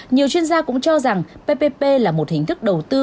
nhiều chuyên gia cũng cho rằng ppp là một hình thức đầu tư